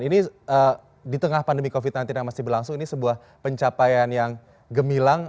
ini di tengah pandemi covid sembilan belas yang masih berlangsung ini sebuah pencapaian yang gemilang